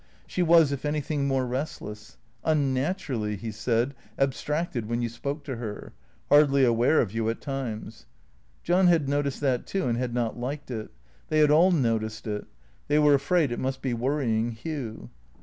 She was if anything more restless; unnaturally (he said) ab stracted when you spoke to her; hardly aware of you at times. John had noticed that, too, and had not liked it. They had all noticed it. They were afraid it must be worrying Hugh.